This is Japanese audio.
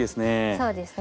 そうですね。